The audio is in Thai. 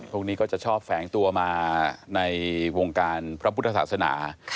พวกนี้ก็จะชอบแฝงตัวมาในวงการพระพุทธศาสนา